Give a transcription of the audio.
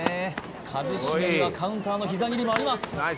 一茂にはカウンターの膝蹴りもあります